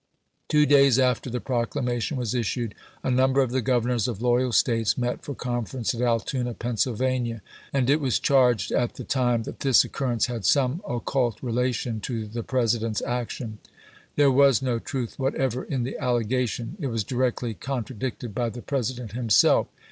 Two days after the proclamation was issued a number of the governors of loyal States met for conference at Altoona, Pennsylvania; and it was charged at the time that this occurrence had some occult relation to the President's action. There was no truth whatever in the allegation. It was directly contradicted by the President himself.